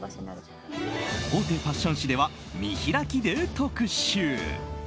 大手ファッション誌では見開きで特集。